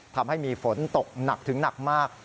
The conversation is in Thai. ทำให้มีฝนตกหนักถึงหนักมาก